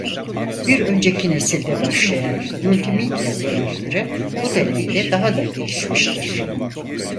Bir önceki nesilde başlayan multimedya olanakları bu dönemde daha da gelişmiştir.